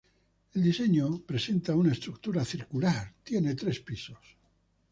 El diseño presenta una estructura circular, tiene tres pisos.